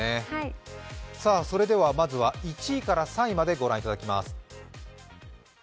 まずは１位から３位まで御覧いただきます。